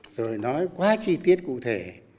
rồi nói quá chi tiết cụ thể